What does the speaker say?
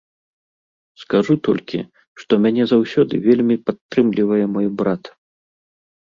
Скажу толькі, што мяне заўсёды вельмі падтрымлівае мой брат.